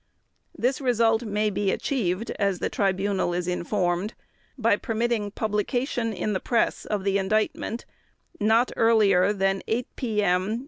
"This result may be achieved, as the Tribunal is informed, by permitting publication in the press of the Indictment not earlier than 8 p.m.